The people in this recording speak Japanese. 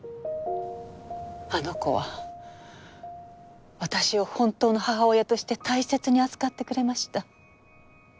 あの子は私を本当の母親として大切に扱ってくれました。